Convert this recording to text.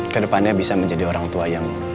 kedepannya bisa menjadi orang tua yang